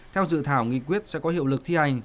theo dự thảo nghị quyết sẽ có hiệu lực thi hành